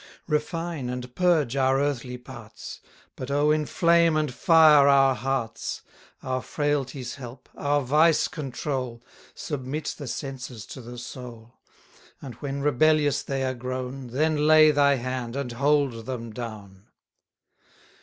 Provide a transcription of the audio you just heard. Refine and purge our earthly parts; But, oh, inflame and fire our hearts! Our frailties help, our vice control, Submit the senses to the soul; And when rebellious they are grown, Then lay thy hand, and hold them down!